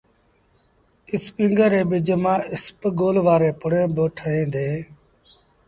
اسپيٚنگر ري ٻج مآݩ اسپگول وآريٚݩ پُڙيٚن با ٺوهيݩ ديٚݩ۔